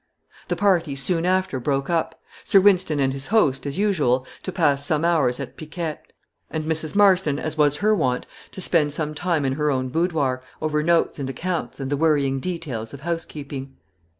The party soon after broke up: Sir Wynston and his host, as usual, to pass some hours at piquet; and Mrs. Marston, as was her wont, to, spend some time in her own boudoir, over notes and accounts, and the worrying details of housekeeping.